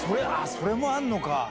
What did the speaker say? それもあんのか。